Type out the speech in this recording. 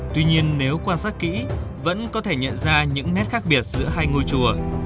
tuy nhiên nếu quan sát kỹ vẫn có thể nhận ra những nét khác biệt giữa hai ngôi chùa